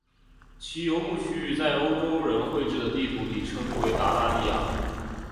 其游牧区域在欧洲人绘制的地图里称之为鞑靼利亚。